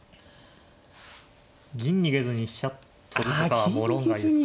銀逃げずに飛車取るとかはもう論外ですか。